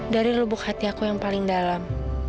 dari lubuk hati aku yang paling dalam